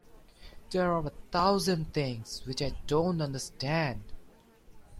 There are a thousand things which I don't understand.